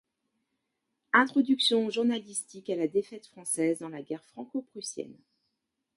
Introduction journalistique à la défaite française dans la guerre franco-prussienne.